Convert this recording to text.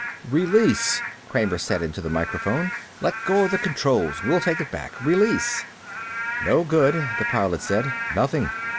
"Release!" Kramer said into the microphone. "Let go of the controls! We'll take it back. Release." "No good," the Pilot said. "Nothing."